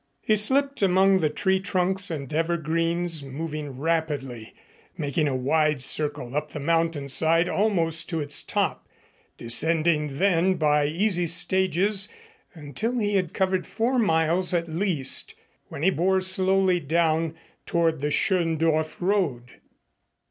He slipped among the treetrunks and evergreens, moving rapidly, making a wide circle up the mountainside almost to its top, descending then by easy stages, until he had covered four miles at least when he bore slowly down toward the Schöndorf road.